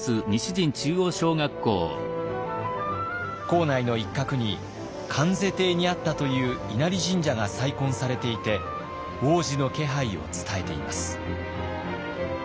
校内の一角に観世邸にあったという稲荷神社が再建されていて往時の気配を伝えています。